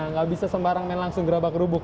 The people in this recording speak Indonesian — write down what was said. nggak bisa sembarang main langsung gerabak gerubuk